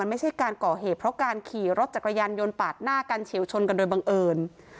ไม่ใช่การก่อเหตุเพราะการขี่รถจักรยานยนต์ปาดหน้ากันเฉียวชนกันโดยบังเอิญ